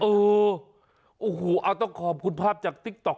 เออโอ้โหเอาต้องขอบคุณภาพจากติ๊กต๊อ